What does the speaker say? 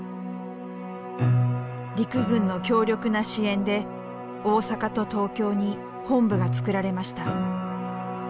陸軍の強力な支援で大阪と東京に本部がつくられました。